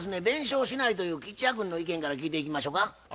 弁償しないという吉弥君の意見から聞いていきましょか。